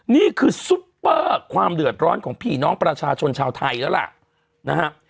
ซุปเปอร์ความเดือดร้อนของพี่น้องประชาชนชาวไทยแล้วล่ะนะฮะ